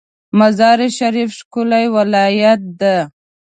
مزار شریف ښکلی ولایت ده